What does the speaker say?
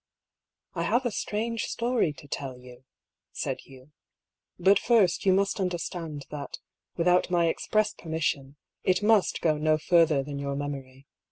''I have a strange story to tell you," said Hugh. ^' But first you must understand that, without my ex press permission, it must go no further than your memory.